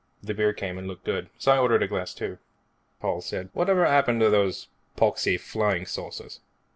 The beer came and looked good, so I ordered a glass too. Paul said, "What ever happened to those poxy flying saucers?"